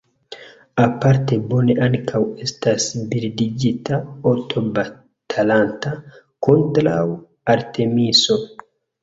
Aparte bone ankaŭ estas bildigita "Oto batalanta kontraŭ Artemiso".